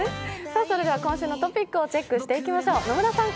それでは今週のトピックをチェックしていきましょう。